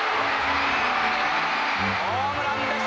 ホームランです